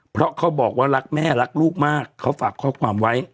เพราะเขาบอกว่ารักแม่รักลูกมากเขาฝากข้อความไว้